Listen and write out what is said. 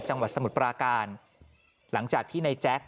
จังหวัดสมุทรปลาการหลังจากที่ในแจ๊ก